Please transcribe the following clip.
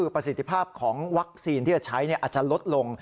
ประสิทธิภาพของวัคซีนที่จะใช้อาจจะลดลง